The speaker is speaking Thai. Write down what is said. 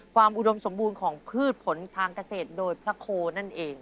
อุดมสมบูรณ์ของพืชผลทางเกษตรโดยพระโคนั่นเอง